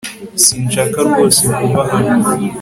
Sinshaka rwose kuba hano